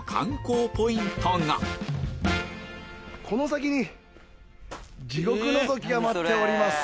この先に地獄のぞきが待っております。